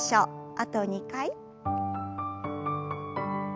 あと２回。